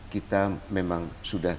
kita memang sudah